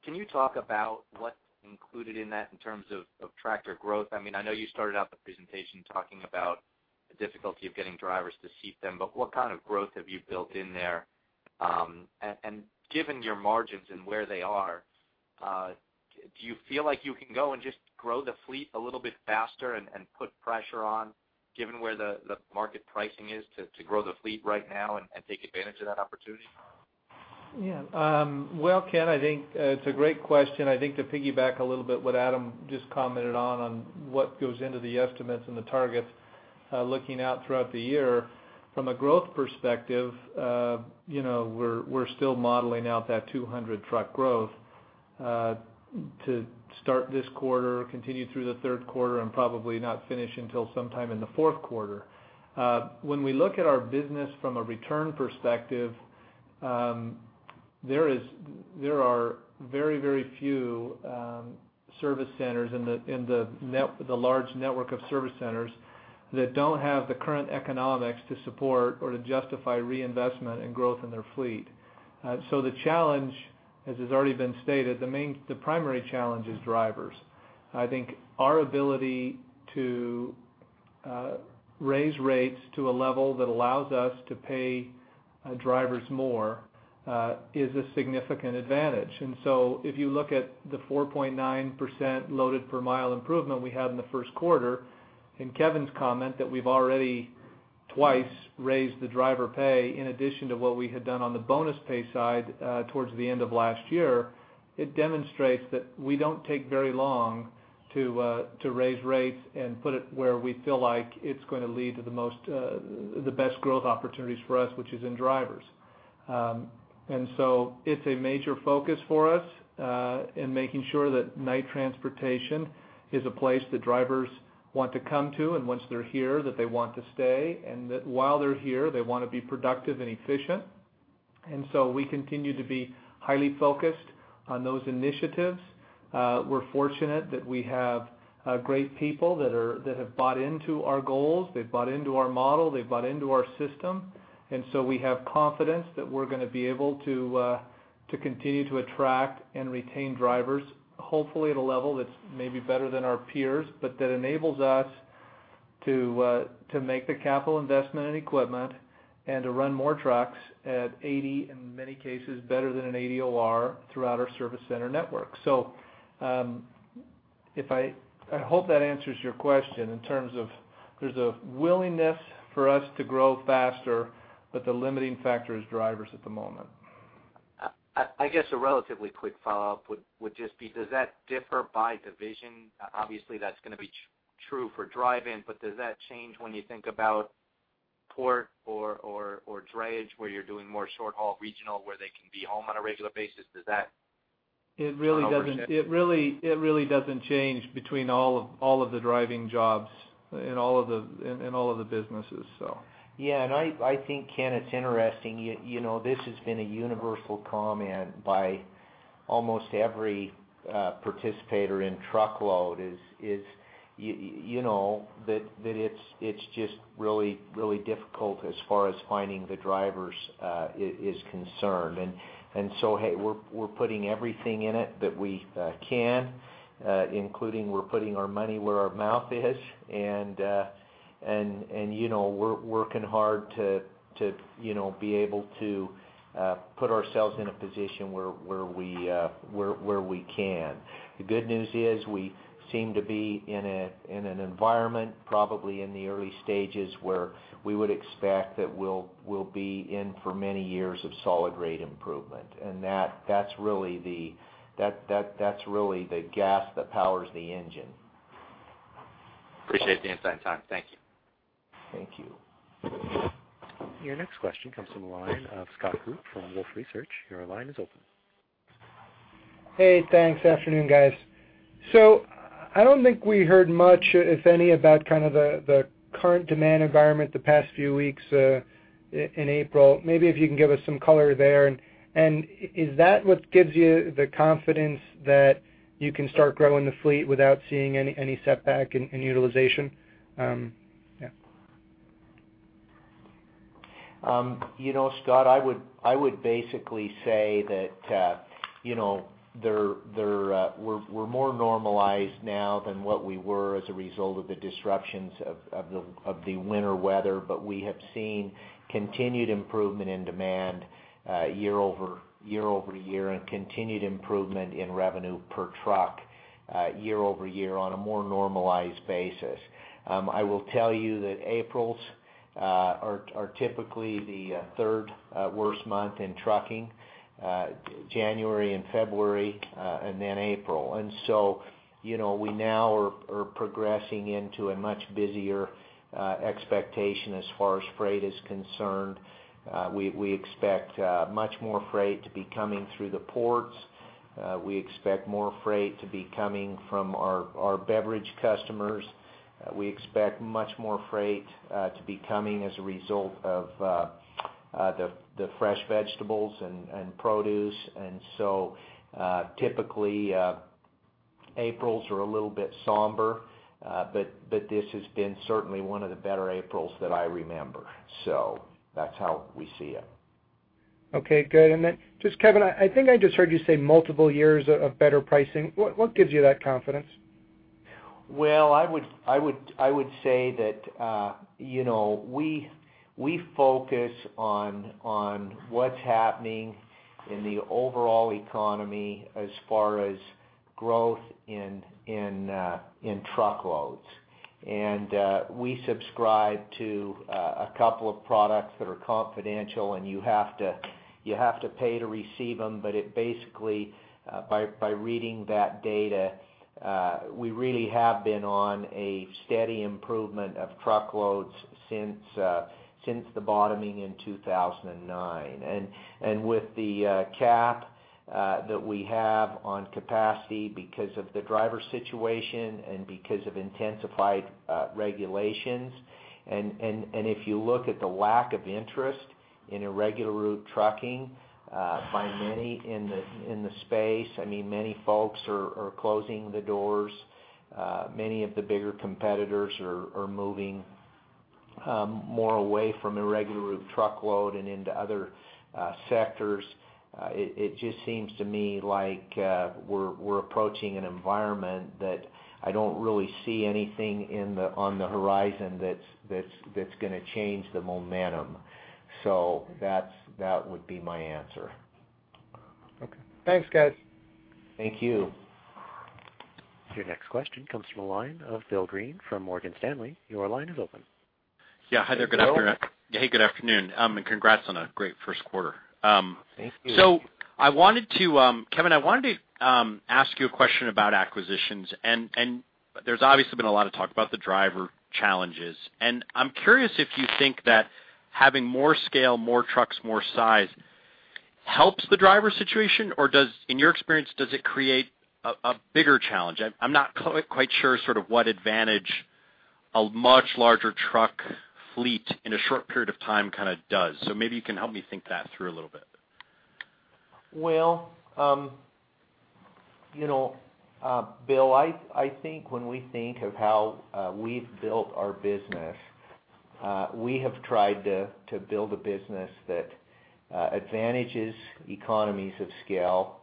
can you talk about what's included in that in terms of tractor growth? I mean, I know you started out the presentation talking about the difficulty of getting drivers to seat them, but what kind of growth have you built in there? And given your margins and where they are, do you feel like you can go and just grow the fleet a little bit faster and put pressure on, given where the market pricing is to grow the fleet right now and take advantage of that opportunity? Yeah. Well, Ken, I think, it's a great question. I think to piggyback a little bit what Adam just commented on, on what goes into the estimates and the targets, looking out throughout the year. From a growth perspective, you know, we're, we're still modeling out that 200 truck growth. To start this quarter, continue through the third quarter, and probably not finish until sometime in the fourth quarter. When we look at our business from a return perspective, there is-- there are very, very few, service centers in the, in the net- the large network of service centers that don't have the current economics to support or to justify reinvestment and growth in their fleet. So the challenge, as has already been stated, the main- the primary challenge is drivers. I think our ability to raise rates to a level that allows us to pay drivers more is a significant advantage. And so if you look at the 4.9% loaded per mile improvement we had in the first quarter, and Kevin's comment that we've already twice raised the driver pay, in addition to what we had done on the bonus pay side, towards the end of last year, it demonstrates that we don't take very long to raise rates and put it where we feel like it's going to lead to the most the best growth opportunities for us, which is in drivers. And so it's a major focus for us, in making sure that Knight Transportation is a place that drivers want to come to, and once they're here, that they want to stay, and that while they're here, they want to be productive and efficient. And so we continue to be highly focused on those initiatives. We're fortunate that we have great people that have bought into our goals, they've bought into our model, they've bought into our system, and so we have confidence that we're gonna be able to continue to attract and retain drivers, hopefully at a level that's maybe better than our peers, but that enables us to make the capital investment in equipment and to run more trucks at 80, in many cases, better than an 80 OR throughout our service center network. So, if I... I hope that answers your question in terms of there's a willingness for us to grow faster, but the limiting factor is drivers at the moment. I guess a relatively quick follow-up would just be, does that differ by division? Obviously, that's gonna be true for dry van, but does that change when you think about port or drayage, where you're doing more short-haul regional, where they can be home on a regular basis? Does that- It really doesn't- have an overshare? It really doesn't change between all of the driving jobs and all of the businesses, so. Yeah, and I think, Ken, it's interesting, you know, this has been a universal comment by almost every participant in truckload, is, you know, that it's just really, really difficult as far as finding the drivers is concerned. And so, hey, we're putting everything in it that we can, including we're putting our money where our mouth is, and you know, we're working hard to, you know, be able to put ourselves in a position where we can. The good news is we seem to be in an environment, probably in the early stages, where we would expect that we'll be in for many years of solid rate improvement. And that, that's really the... That, that's really the gas that powers the engine. Appreciate the insight and time. Thank you. Thank you. Your next question comes from the line of Scott Group from Wolfe Research. Your line is open. Hey, thanks. Afternoon, guys. So I don't think we heard much, if any, about kind of the current demand environment the past few weeks in April. Maybe if you can give us some color there. Is that what gives you the confidence that you can start growing the fleet without seeing any setback in utilization? Yeah. You know, Scott, I would basically say that, you know, we're more normalized now than what we were as a result of the disruptions of the winter weather, but we have seen continued improvement in demand, year-over-year, and continued improvement in revenue per truck, year-over-year on a more normalized basis. I will tell you that Aprils are typically the third worst month in trucking, January and February, and then April. And so, you know, we now are progressing into a much busier expectation as far as freight is concerned. We expect much more freight to be coming through the ports. We expect more freight to be coming from our beverage customers. We expect much more freight to be coming as a result of the fresh vegetables and produce. And so, typically, Aprils are a little bit somber, but this has been certainly one of the better Aprils that I remember. So that's how we see it. Okay, good. And then just Kevin, I think I just heard you say multiple years of better pricing. What gives you that confidence? Well, I would say that, you know, we focus on what's happening in the overall economy as far as growth in truckloads. And we subscribe to a couple of products that are confidential, and you have to pay to receive them. But it basically, by reading that data, we really have been on a steady improvement of truckloads since the bottoming in 2009. With the cap that we have on capacity because of the driver situation and because of intensified regulations... And if you look at the lack of interest in irregular route trucking by many in the space, I mean, many folks are closing the doors, many of the bigger competitors are moving more away from irregular route truckload and into other sectors. It just seems to me like we're approaching an environment that I don't really see anything on the horizon that's gonna change the momentum. So that would be my answer. Okay. Thanks, guys. Thank you. Your next question comes from the line of Bill Greene from Morgan Stanley. Your line is open. Yeah. Hi there. Good afternoon- Hey, Bill. Hey, good afternoon, and congrats on a great first quarter. Thank you. So I wanted to, Kevin, I wanted to, ask you a question about acquisitions, and there's obviously been a lot of talk about the driver challenges. And I'm curious if you think that having more scale, more trucks, more size helps the driver situation, or does... In your experience, does it create a bigger challenge? I'm not quite sure sort of what advantage a much larger truck fleet in a short period of time kind of does. So maybe you can help me think that through a little bit. Well, you know, Bill, I think when we think of how we've built our business, we have tried to build a business that advantages economies of scale,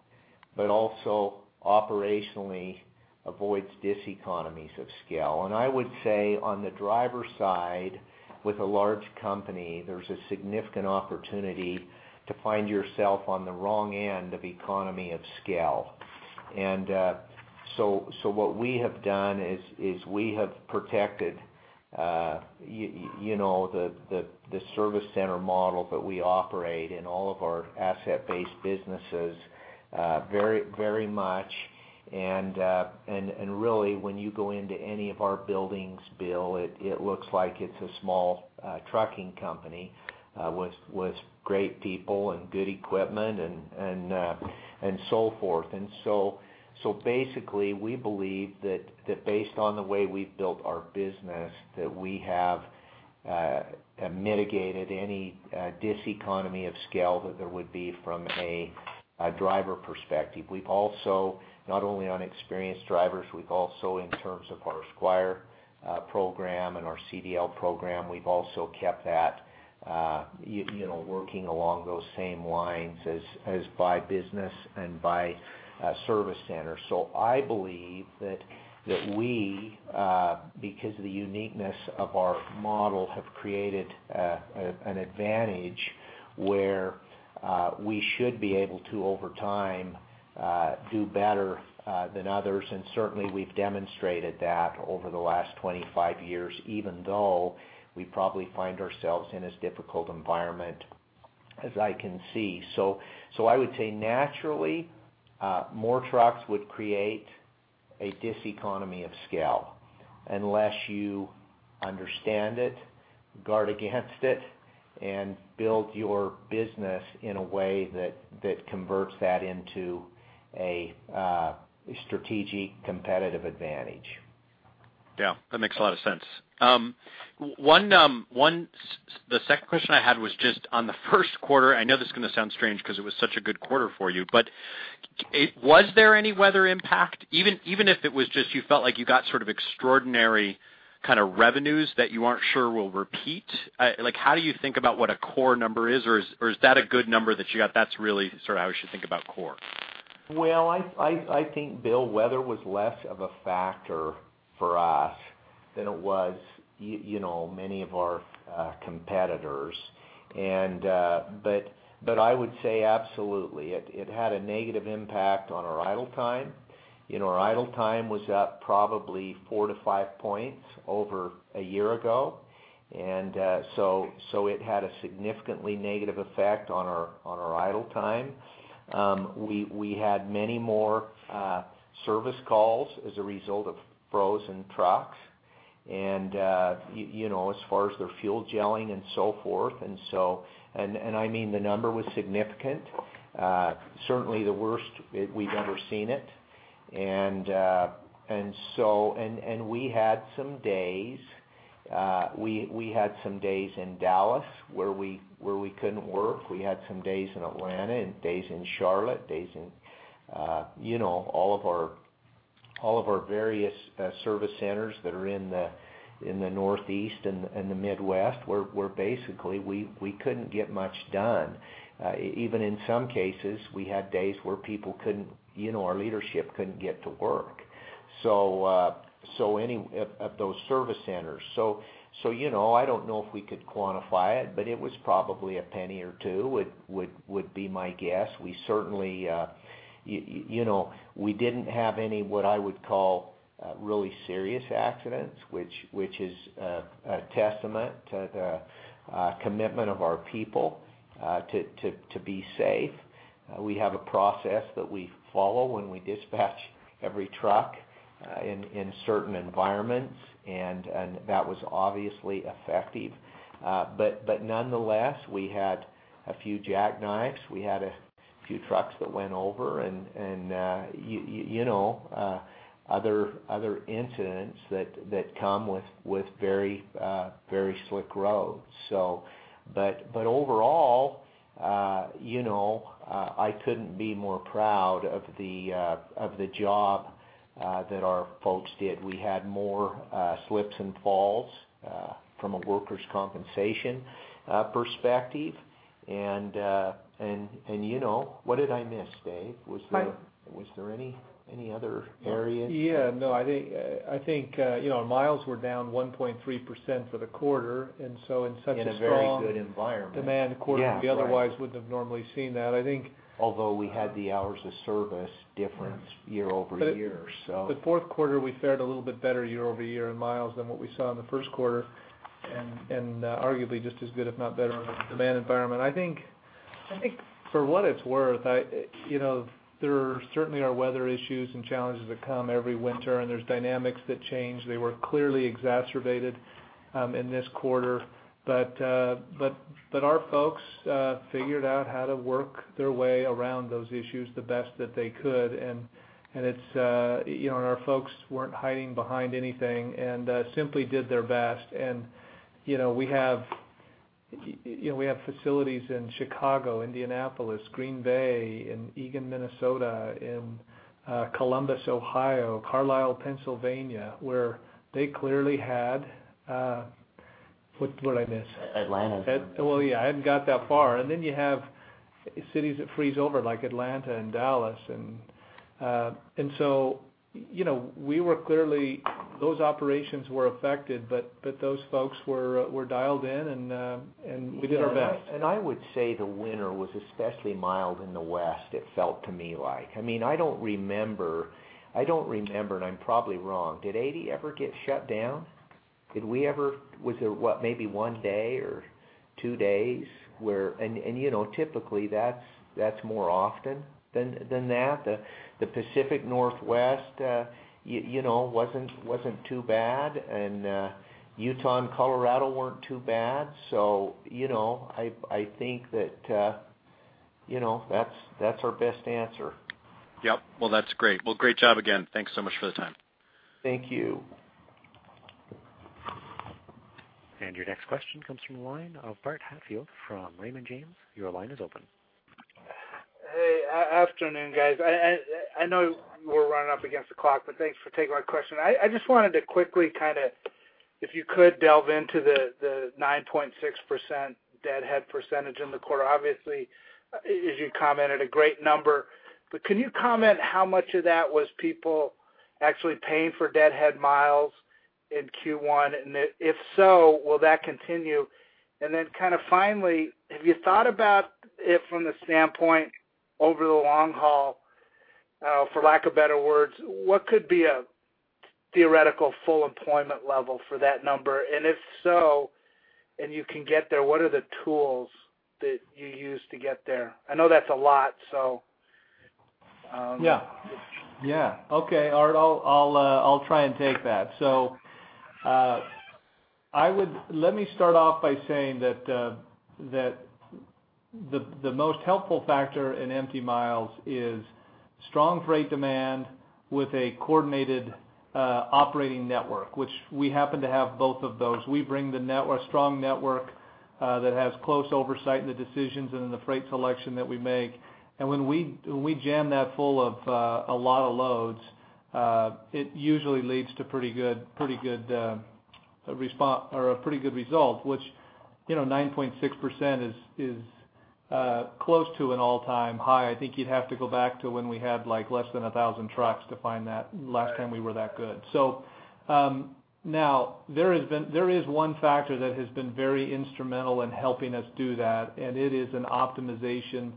but also operationally avoids diseconomies of scale. And I would say, on the driver side, with a large company, there's a significant opportunity to find yourself on the wrong end of economy of scale. And so what we have done is we have protected, you know, the service center model that we operate in all of our asset-based businesses very, very much. And really, when you go into any of our buildings, Bill, it looks like it's a small trucking company with great people and good equipment and so forth. So basically, we believe that based on the way we've built our business, that we have mitigated any diseconomy of scale that there would be from a driver perspective. We've also, not only on experienced drivers, we've also in terms of our Squire program and our CDL program, we've also kept that you know working along those same lines as our business and by service center. So I believe that we because of the uniqueness of our model have created an advantage where we should be able to over time do better than others. And certainly, we've demonstrated that over the last 25 years, even though we probably find ourselves in as difficult environment as I can see. So, I would say, naturally, more trucks would create a diseconomy of scale unless you understand it, guard against it, and build your business in a way that converts that into a strategic competitive advantage. Yeah, that makes a lot of sense. The second question I had was just on the first quarter. I know this is gonna sound strange 'cause it was such a good quarter for you, but it... Was there any weather impact, even if it was just you felt like you got sort of extraordinary kind of revenues that you aren't sure will repeat? Like, how do you think about what a core number is, or is that a good number that you got that's really sort of how we should think about core? Well, I think, Bill, weather was less of a factor for us than it was, you know, many of our competitors. But I would say absolutely, it had a negative impact on our idle time. You know, our idle time was up probably 4-5 points over a year ago, and so it had a significantly negative effect on our idle time. We had many more service calls as a result of frozen trucks and you know, as far as their fuel gelling and so forth. And I mean, the number was significant, certainly the worst we've ever seen it. And we had some days, we had some days in Dallas where we couldn't work. We had some days in Atlanta, and days in Charlotte, days in, you know, all of our various service centers that are in the Northeast and the Midwest, where basically we couldn't get much done. Even in some cases, we had days where people couldn't, you know, our leadership couldn't get to work. So, so any of those service centers. So, you know, I don't know if we could quantify it, but it was probably a penny or two, would be my guess. We certainly, you know, we didn't have any, what I would call, really serious accidents, which is a testament to the commitment of our people to be safe. We have a process that we follow when we dispatch every truck in certain environments, and that was obviously effective. But nonetheless, we had a few jackknives. We had a few trucks that went over and you know, other incidents that come with very slick roads. But overall, you know, I couldn't be more proud of the job that our folks did. We had more slips and falls from a workers' compensation perspective, and you know, what did I miss, Dave? Was there- I- Was there any other areas? Yeah, no, I think, I think, you know, miles were down 1.3% for the quarter, and so in such a strong- In a very good environment. Demand quarter- Yeah, right. We otherwise wouldn't have normally seen that. I think- Although we had the hours of service difference year-over-year, so. The fourth quarter, we fared a little bit better year over year in miles than what we saw in the first quarter, and arguably just as good, if not better, in the demand environment. I think for what it's worth, you know, there certainly are weather issues and challenges that come every winter, and there's dynamics that change. They were clearly exacerbated in this quarter. But our folks figured out how to work their way around those issues the best that they could. And it's you know, and our folks weren't hiding behind anything and simply did their best. And you know, we have you know, we have facilities in Chicago, Indianapolis, Green Bay, in Eagan, Minnesota, in Columbus, Ohio, Carlisle, Pennsylvania, where they clearly had... What did I miss? Atlanta. Well, yeah, I hadn't got that far. Then you have cities that freeze over, like Atlanta and Dallas. And so, you know, we were clearly, those operations were affected, but those folks were dialed in, and we did our best. I would say the winter was especially mild in the West, it felt to me like. I mean, I don't remember, I don't remember, and I'm probably wrong, did 80 ever get shut down? Did we ever... Was there, what, maybe one day or two days where... And you know, typically, that's more often than that. The Pacific Northwest, you know, wasn't too bad, and Utah and Colorado weren't too bad. So, you know, I think that, you know, that's our best answer. Yep. Well, that's great. Well, great job again. Thanks so much for the time. Thank you. Your next question comes from the line of Art Hatfield from Raymond James. Your line is open. Hey, afternoon, guys. I know we're running up against the clock, but thanks for taking my question. I just wanted to quickly kind of, if you could, delve into the 9.6% deadhead percentage in the quarter. Obviously, as you commented, a great number. But can you comment how much of that was people actually paying for deadhead miles in Q1? And if so, will that continue? And then, kind of finally, have you thought about it from the standpoint, over the long haul, for lack of better words, what could be a theoretical full employment level for that number? And if so, and you can get there, what are the tools that you use to get there? I know that's a lot, so, Yeah. Yeah. Okay, Art, I'll try and take that. So, I would... Let me start off by saying that the most helpful factor in empty miles is strong freight demand with a coordinated operating network, which we happen to have both of those. We bring a strong network that has close oversight in the decisions and in the freight selection that we make. And when we jam that full of a lot of loads, it usually leads to pretty good result, which, you know, 9.6% is close to an all-time high. I think you'd have to go back to when we had, like, less than 1,000 trucks to find that, last time we were that good. So, now, there has been, there is one factor that has been very instrumental in helping us do that, and it is an optimization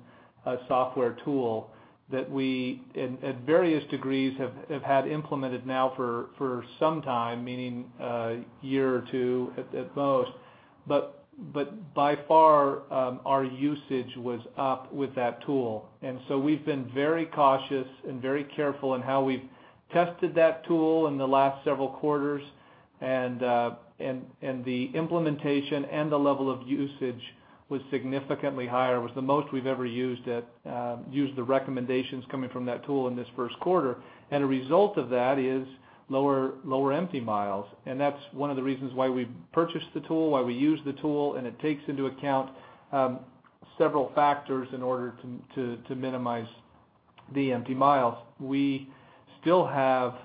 software tool that we, at various degrees, have had implemented now for some time, meaning a year or two at most. But by far, our usage was up with that tool. And so we've been very cautious and very careful in how we've tested that tool in the last several quarters. And the implementation and the level of usage was significantly higher. It was the most we've ever used it, used the recommendations coming from that tool in this first quarter. As a result of that is lower, lower empty miles, and that's one of the reasons why we purchased the tool, why we use the tool, and it takes into account several factors in order to minimize the empty miles. We still have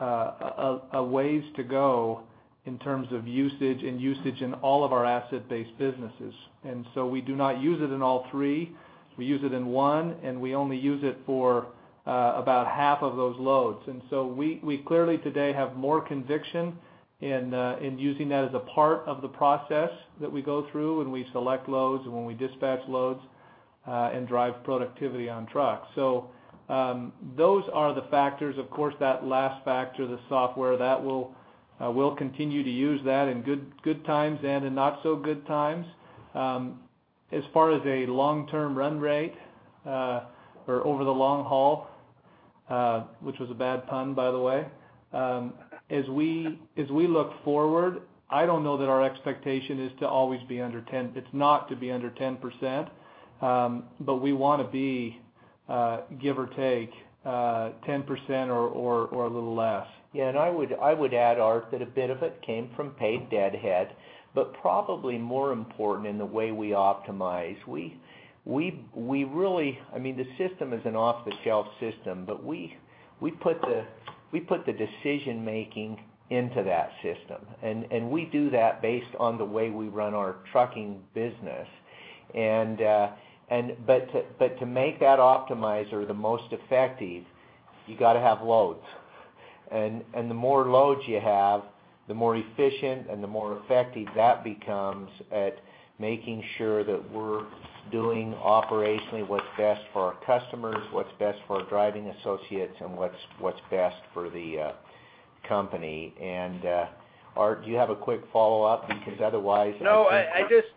a ways to go in terms of usage and usage in all of our asset-based businesses, and so we do not use it in all three. We use it in one, and we only use it for about half of those loads. And so we clearly today have more conviction in using that as a part of the process that we go through when we select loads and when we dispatch loads and drive productivity on trucks. So those are the factors. Of course, that last factor, the software, that we'll continue to use that in good, good times and in not so good times. As far as a long-term run rate, or over the long haul? Which was a bad pun, by the way. As we look forward, I don't know that our expectation is to always be under 10. It's not to be under 10%, but we wanna be, give or take, 10% or a little less. Yeah, and I would add, Art, that a bit of it came from paid deadhead, but probably more important in the way we optimize, we really—I mean, the system is an off-the-shelf system, but we put the decision-making into that system, and we do that based on the way we run our trucking business. And but to make that optimizer the most effective, you gotta have loads. And the more loads you have, the more efficient and the more effective that becomes at making sure that we're doing operationally what's best for our customers, what's best for our driving associates, and what's best for the company. Art, do you have a quick follow-up? Because otherwise- No, just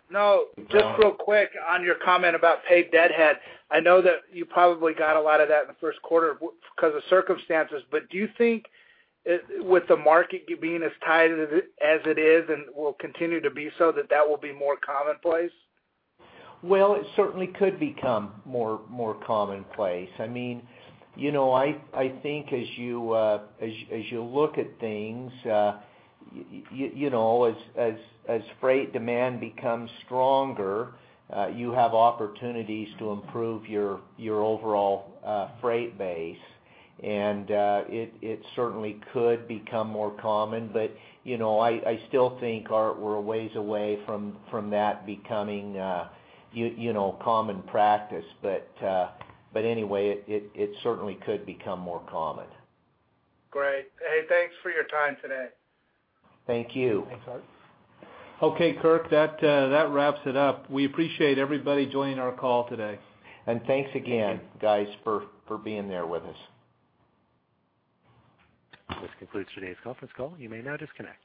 real quick on your comment about paid deadhead. I know that you probably got a lot of that in the first quarter 'cause of circumstances, but do you think, with the market being as tight as it is and will continue to be so, that that will be more commonplace? Well, it certainly could become more commonplace. I mean, you know, I think as you look at things, you know, as freight demand becomes stronger, you have opportunities to improve your overall freight base, and it certainly could become more common. But, you know, I still think, Art, we're a ways away from that becoming common practice. But anyway, it certainly could become more common. Great. Hey, thanks for your time today. Thank you. Thanks, Art. Okay, Kurt, that, that wraps it up. We appreciate everybody joining our call today. Thanks again, guys, for being there with us. This concludes today's conference call. You may now disconnect.